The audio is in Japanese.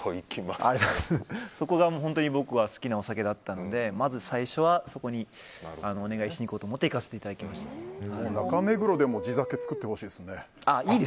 そこが本当に僕は好きなお酒だったのでまず最初はそこにお願いしようと思って中目黒でも地酒、造ってほしいです。